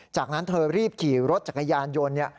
จากนั้นเธอรีบขี่รถจักรยานยนต์